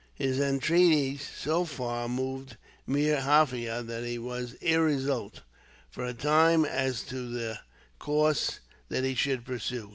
His entreaties so far moved Meer Jaffier that he was irresolute, for a time, as to the course he should pursue.